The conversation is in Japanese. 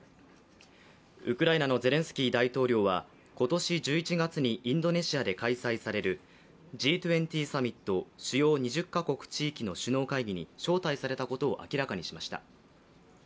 ウクライナのゼレンスキー大統領は今年１１月にインドネシアで開催されるＧ２０サミット＝主要２０か国・地域の首脳会議に招待されたことを明らかにしました。